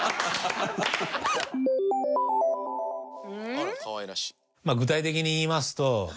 「あらかわいらしい」